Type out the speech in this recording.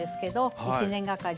えっ１年がかり？